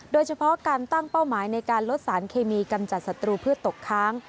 โดยเฉพาะการตั้งเป้าหมายในการลดสารเคมีกำจัดศัตรูเพื่อตกค้าง